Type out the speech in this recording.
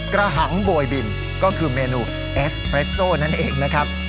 หังโบยบินก็คือเมนูเอสเปรสโซนั่นเองนะครับ